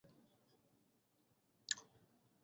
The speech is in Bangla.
ততটাই যতটা আপনি নিচে যাবেন, স্যার!